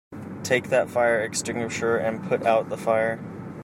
Take that fire extinguisher and put out the fire!